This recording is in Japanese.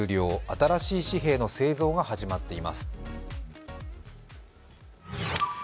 新しい紙幣の製造が始まっています。